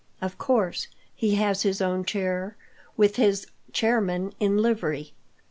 Of course, he has his own chair, with his chair men in livery.